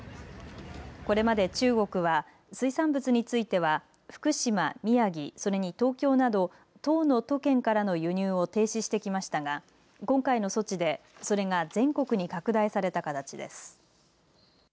これまで中国は水産物については福島、宮城それに東京など１０の都県からの輸入を停止してきましたが今回の措置でそれが全国に拡大された形です。